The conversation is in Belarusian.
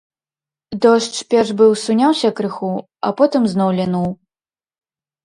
Дождж перш быў суняўся крыху, а потым зноў лінуў.